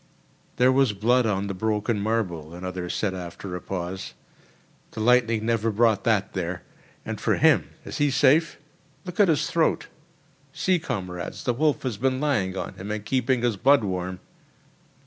"There was blood on the broken marble," another said after a pause—"the lightning never brought that there. And for him—is he safe? Look at his throat! See, comrades, the wolf has been lying on him and keeping his blood warm."